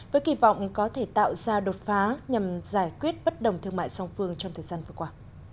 với kỳ vọng có thể tạo ra đột phá nhằm giải quyết bất đồng thương mại song phương trong thời gian vừa qua